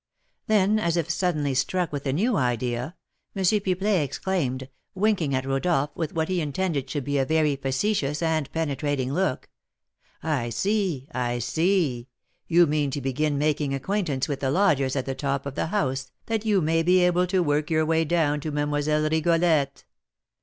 Then, as if suddenly struck with a new idea, M. Pipelet exclaimed, winking at Rodolph with what he intended should be a very facetious and penetrating look, "I see, I see, you mean to begin making acquaintance with the lodgers at the top of the house, that you may be able to work your way down to Mlle. Rigolette.